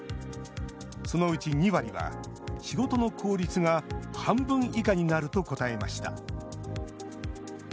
そのうち２割は、仕事の効率が半分以下になると答えました。